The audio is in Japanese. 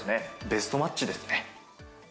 ベストマッチですね。